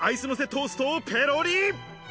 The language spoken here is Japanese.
トーストをペロリ！